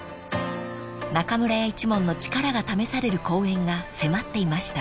［中村屋一門の力が試される公演が迫っていました］